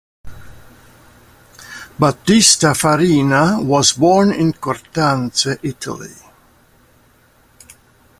Battista Farina was born in Cortanze, Italy.